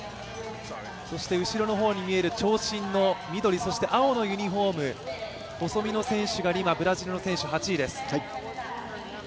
そして後ろのほうに見える長身の緑、そして青のユニフォーム、細身の選手がリラ、ブラジルの選手です。